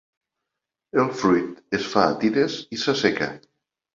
El fruit es fa a tires i s'asseca.